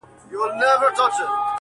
• په خامه خوله وعده پخه ستایمه..